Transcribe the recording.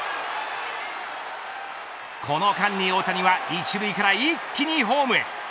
この間に大谷は１塁から一気にホームへ。